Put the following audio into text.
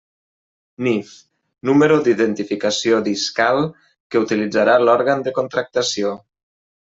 NIF: número d'identificació discal que utilitzarà l'òrgan de contractació.